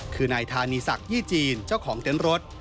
คือนายธานีศักดิ์ยี่จีนเจ้าของเต้นรถ